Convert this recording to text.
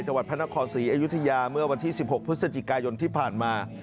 จังหวัดพระนครศรีอยุธยาเมื่อวันที่๑๖พฤศจิกายนที่ผ่านมา